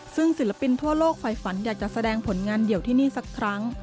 ซึ่งศิลปินทั่วโลกฝ่ายฝันอยากจะแสดงผลงานเดี่ยวที่นี่สักครั้ง